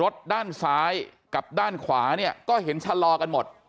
ด้านซ้ายกับด้านขวาเนี่ยก็เห็นชะลอกันหมด